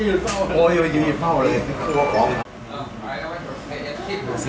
นี่คืออัตภาพใจบอกให้พี่แล้วนะครับ